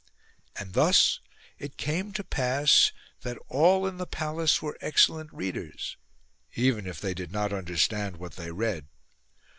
And thus it came to pass that all in the palace were excellent readers, even if they did not understand what they read.